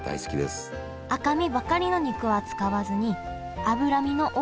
赤身ばかりの肉は使わずに脂身の多いものを使います